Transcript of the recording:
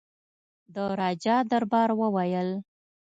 د راجا دربار وویل.